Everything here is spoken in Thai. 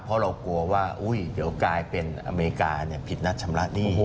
เพราะเรากลัวว่าเดี๋ยวกลายเป็นอเมริกาผิดนัดชำระหนี้